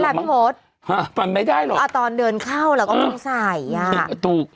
เอาติดไว้ละพี่โฟธปั่นไม่ได้หรอกตอนเดินเข้าแล้วก็ไม่ใส่อะ